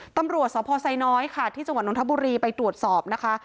ตำรวจสพไซน้อยค่ะที่จังหวัดนทบุรีไปตรวจสอบนะคะ